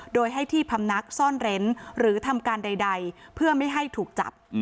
โดยให้ที่พำนักซ่อนเร้นหรือทำการใดเพื่อไม่ให้ถูกจับ